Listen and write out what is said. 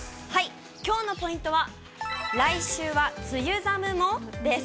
きょうのポイントは、来週は梅雨寒も？です。